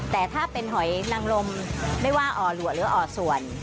แต่ถ้าเป็นหอยนังลมไม่ว่าอ่อหลัวหรืออ่อส่วน